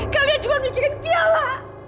kalian cuma mikirin piala